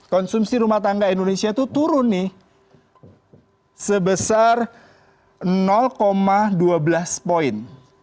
konsumsi rumah tangga indonesia itu turun nih sebesar dua belas poin